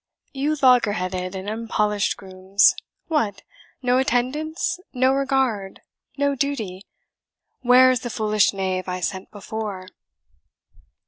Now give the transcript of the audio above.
You loggerheaded and unpolish'd grooms, What, no attendance, no regard, no duty? Where is the foolish knave I sent before?